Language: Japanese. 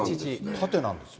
縦なんですよ。